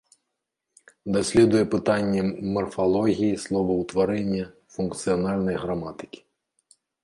Даследуе пытанні марфалогіі, словаўтварэння, функцыянальная граматыкі.